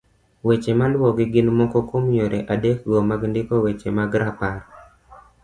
Weche maluwogi gin moko kuom yore adekgo mag ndiko weche mag rapar